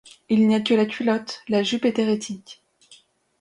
Il n'y a que la culotte, la jupe est hérétique.